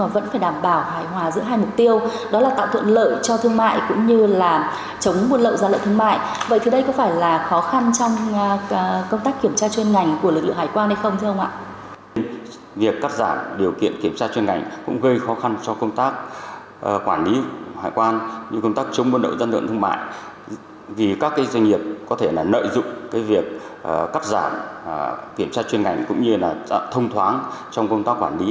vì các doanh nghiệp có thể lợi dụng việc cắt giảm kiểm tra chuyên ngành cũng như thông thoáng trong công tác quản lý